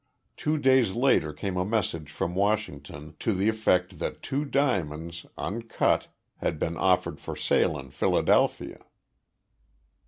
Two days later came a message from Washington to the effect that two diamonds, uncut, had been offered for sale in Philadelphia.